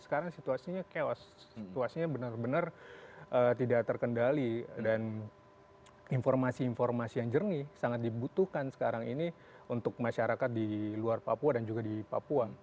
sekarang situasinya chaos situasinya benar benar tidak terkendali dan informasi informasi yang jernih sangat dibutuhkan sekarang ini untuk masyarakat di luar papua dan juga di papua